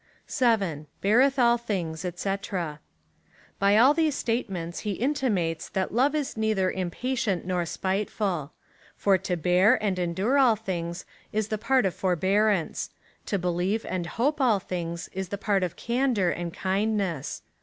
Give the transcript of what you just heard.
2 7. Beareth all things, &c. By all these statements he in timates, that love is neither impatient nor spiteful. For to hear and endure all things is the part of forbearance : to believe and hope all things is the part of candour and kind ness.